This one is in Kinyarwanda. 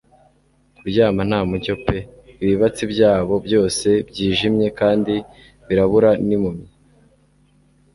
Kuryama nta mucyo pe ibibatsi byabo byose byijimye kandi birabura n'impumyi.